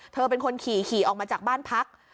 เธอเป็นคนขี่ขี่ออกมาจากบ้านพัก